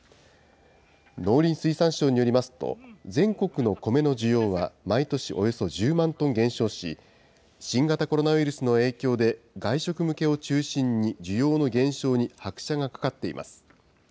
農林水産省によりますと、全国のコメの需要は毎年およそ１０万トン減少し、新型コロナウイルスの影響で、外食向けを中心に需要の減少に拍車がかかっています。